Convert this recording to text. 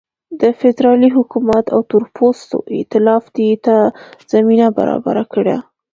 د فدرالي حکومت او تورپوستو اېتلاف دې ته زمینه برابره کړه.